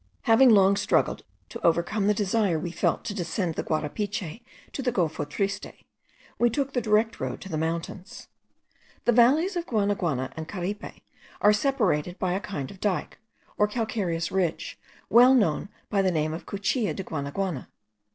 Having long struggled to overcome the desire we felt to descend the Guarapiche to the Golfo Triste, we took the direct road to the mountains. The valleys of Guanaguana and Caripe are separated by a kind of dyke, or calcareous ridge, well known by the name of the Cuchilla* de Guanaguana.